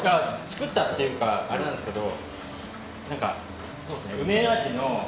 作ったっていうかあれなんですけど。